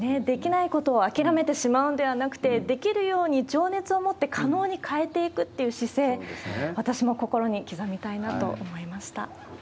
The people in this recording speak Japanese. できないことを諦めてしまうんではなくて、できるように情熱を持って可能に変えていくっていう姿勢、私も心に刻みたいなと思いました。